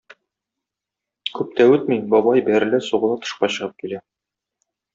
Күп тә үтми, бабай бәрелә-сугыла тышка чыгып килә.